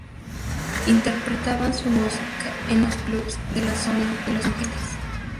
Interpretaban su música en los clubes de la zona de Los Ángeles.